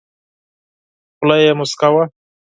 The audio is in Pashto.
خوله یې موسکه وه .